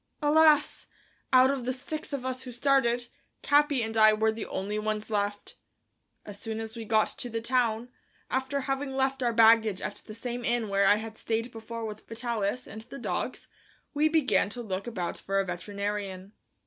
Alas! out of the six of us who started, Capi and I were the only ones left. As soon as we got to the town, after having left our baggage at the same inn where I had stayed before with Vitalis and the dogs, we began to look about for a veterinarian.